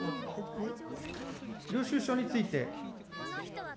領収書について。